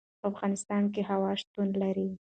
په افغانستان کې هوا شتون لري.